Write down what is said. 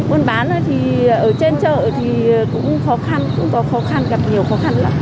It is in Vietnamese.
buôn bán thì ở trên chợ thì cũng khó khăn cũng có khó khăn gặp nhiều khó khăn lắm